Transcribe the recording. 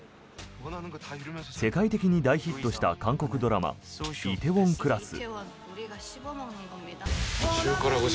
世界的に大ヒットした韓国ドラマ「梨泰院クラス」。